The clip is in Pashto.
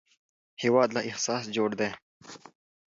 هېواد له احساس جوړ دی